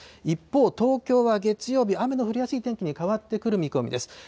一方、東京は月曜日、雨の降りやすい天気に変わってくる見込みです。